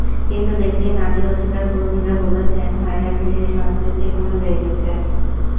কিন্তু দেশটির নারী অধিকার কর্মীরা বলছেন, হয়রানির সেই সংস্কৃতি এখনো রয়ে গেছে।